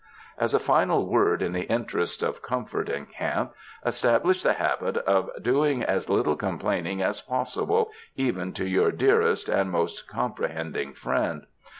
As a final word in the interests of comfort in camp, establish the habit of doing as little complain ing as possible even to your dearest and most com prehending friend.